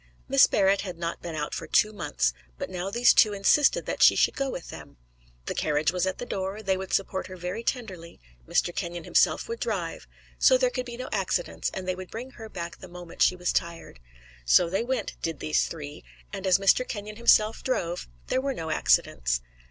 Miss Barrett had not been out for two months, but now these two insisted that she should go with them. The carriage was at the door, they would support her very tenderly, Mr. Kenyon himself would drive so there could be no accidents and they would bring her back the moment she was tired. So they went, did these three, and as Mr. Kenyon himself drove there were no accidents.